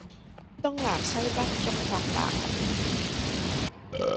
東南西北中發白